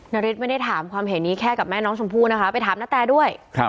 นาริสไม่ได้ถามความเห็นนี้แค่กับแม่น้องชมพู่นะคะไปถามนาแตด้วย